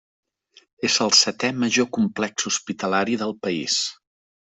És el setè major complex hospitalari del país.